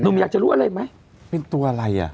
นุ่มอยากจะรู้อะไรไหม